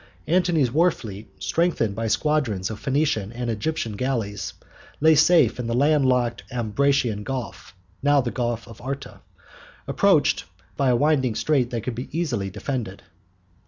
Antony's war fleet, strengthened by squadrons of Phoenician and Egyptian galleys, lay safely in the land locked Ambracian Gulf (now the Gulf of Arta), approached by a winding strait that could easily be defended.